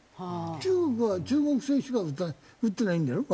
中国は中国製しか打ってないんだろ？